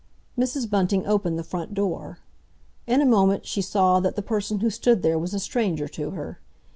Mrs. Bunting opened the front door. In a moment she saw that the person who stood there was a stranger to her.